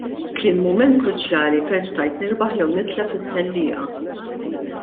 Kien mument kruċjali fejn stajt nirbaħ jew nitlef it-tellieqa.